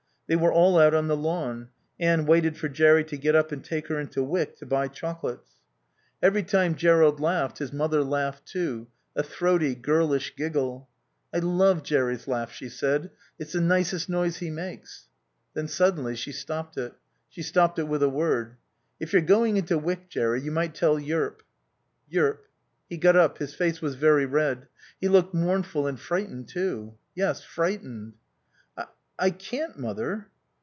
They were all out on the lawn. Anne waited for Jerry to get up and take her into Wyck, to buy chocolates. Every time Jerrold laughed his mother laughed too, a throaty, girlish giggle. "I love Jerry's laugh," she said. "It's the nicest noise he makes." Then, suddenly, she stopped it. She stopped it with a word. "If you're going into Wyck, Jerry, you might tell Yearp " Yearp. He got up. His face was very red. He looked mournful and frightened too. Yes, frightened. "I can't, Mother."